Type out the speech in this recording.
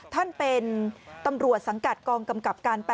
ท่านเป็นตำรวจสังกัดกองกำกับการ๘